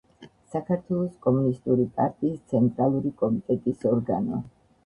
საქართველოს კომუნისტური პარტიის ცენტრალური კომიტეტის ორგანო.